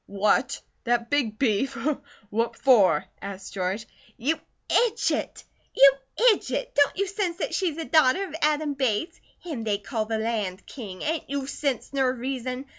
"What? That big beef! What for?" asked George. "You idjit! You idjit! Don't you sense that she's a daughter of Adam Bates? Him they call the Land King. Ain't you sense ner reason?